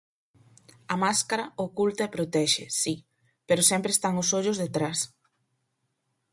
A máscara oculta e protexe, si, pero sempre están os ollos detrás.